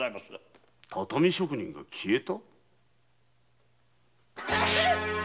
畳職人が消えた？